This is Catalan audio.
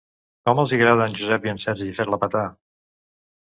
Com els hi agrada a en Josep i en Sergi fer-la petar.